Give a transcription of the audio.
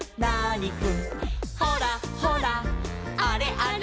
「ほらほらあれあれ」